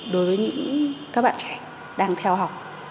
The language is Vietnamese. đối với những các bạn trẻ đang theo học